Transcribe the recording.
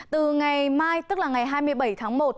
từ ngày mai tức là ngày hai mươi bảy tháng một